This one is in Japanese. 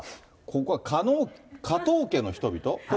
ここは加統家の人々？